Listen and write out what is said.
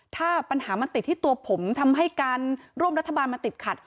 ถ้าปัญหามันติดที่ตัวผมทำให้การร่วมรัฐบาลมันติดขัด